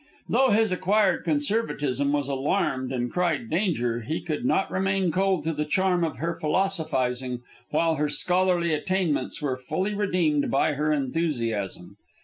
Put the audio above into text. Though his acquired conservatism was alarmed and cried danger, he could not remain cold to the charm of her philosophizing, while her scholarly attainments were fully redeemed by her enthusiasm.